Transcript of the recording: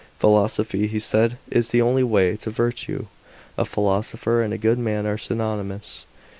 Philosophy, he said, is the only way to virtue ; a philosopher and a good man are synonymous.